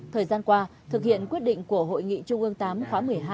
thời gian qua thực hiện quyết định của hội nghị trung ương tám khóa một mươi hai